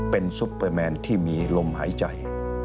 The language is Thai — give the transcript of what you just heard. เป็นซุปเปอร์แมนที่มีลมหายใจ